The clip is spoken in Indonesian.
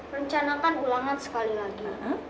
menceritakan ulangan sekali lagi